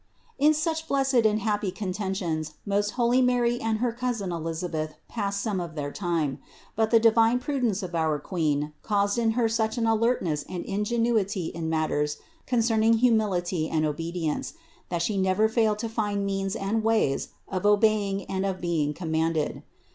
236. In such blessed and happy contentions most holy Mary and her cousin Elisabeth passed some of their time. But the divine prudence of our Queen caused in Her such an alertness and ingenuity in matters concern ing humility and obedience, that She never failed to find means and ways of obeying and of being commanded.